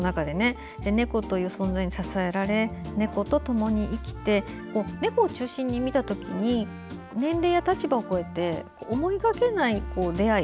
猫という存在に支えられ猫とともに生きて猫を中心に見た時に年齢や立場を超えて思いがけない出会い